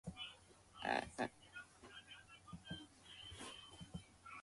তার ছোট ভাই, মানস কুমার দাশ সুব্রত দাশ, তাপস কুমার দাশ বাংলাদেশে প্রতিষ্ঠিত নজরুল সংগীত শিল্পী।